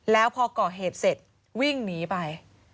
แล้วพอก่อเหตุเสร็จวิ่งหนีไป